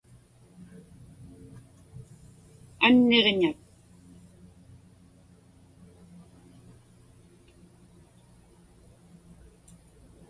Anniġnak.